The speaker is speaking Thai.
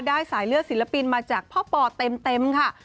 สายเลือดศิลปินมาจากพ่อปอเต็มค่ะ